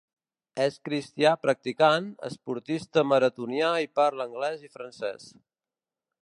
És cristià practicant, esportista maratonià i parla anglès i francès.